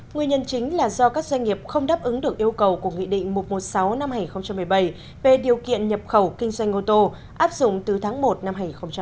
nguyên nhân chính là do các doanh nghiệp không đáp ứng được yêu cầu của nghị định một trăm một mươi sáu năm hai nghìn một mươi bảy về điều kiện nhập khẩu kinh doanh ô tô áp dụng từ tháng một năm hai nghìn một mươi bảy